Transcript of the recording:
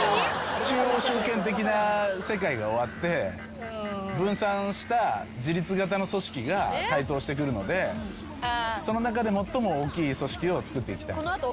中央集権的な世界が終わって分散した自律型の組織が台頭してくるのでその中で最も大きい組織をつくっていきたい。